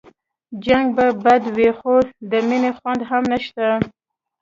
جنګ به بد وي خو د مينې خوند هم نشته